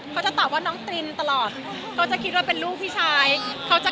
เพราะว่ายังไงเป็นความมีปัญหาต่อมาแล้วเหมือนกันนะคะ